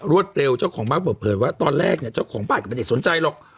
วดเร็วเจ้าของบ้านเปิดเผยว่าตอนแรกเนี่ยเจ้าของบ้านก็ไม่ได้สนใจหรอก